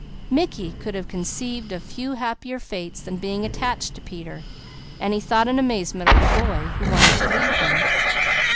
Mickey could have conceived of few happier fates than being attached to Peter, so he thought in amazement of the boy who wanted to leave him.